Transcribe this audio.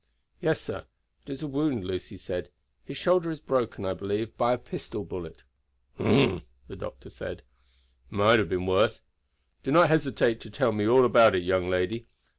"Yes, sir. It is a wound," Lucy said. "His shoulder is broken, I believe, by a pistol bullet." "Umph!" the doctor said. "It might have been worse. Do not hesitate to tell me all about it, young lady.